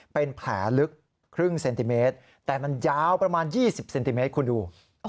เป็นแผลลึกครึ่งเซนติเมตรแต่มันยาวประมาณ๒๐เซนติเมตรคุณดู